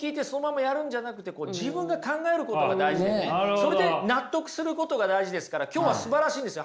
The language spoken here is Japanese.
それで納得することが大事ですから今日はすばらしいんですよ。